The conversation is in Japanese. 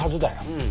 うん。